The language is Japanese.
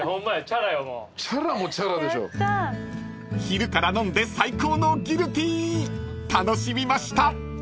［昼から飲んで最高のギルティ楽しみました］